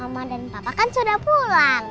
maman dan papa kan sudah pulang